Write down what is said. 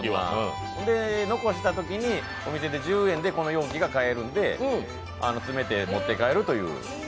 残したときにお店で１０円でこの容器が買えるので詰めて、持って帰るという。